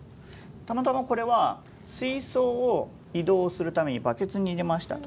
たまたまこれは水槽を移動するためにバケツに入れましたと。